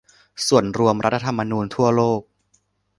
ส่วน รวมรัฐธรรมนูญทั่วโลก